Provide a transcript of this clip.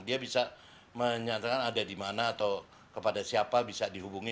dia bisa menyatakan ada di mana atau kepada siapa bisa dihubungi